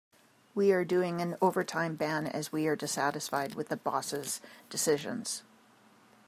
We are doing an overtime ban as we are dissatisfied with the boss' decisions.